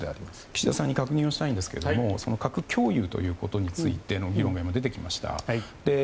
岸田さんに確認をしたいんですが核共有ということについての議論が出てきました。